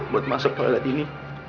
buat masuk ke ladak ini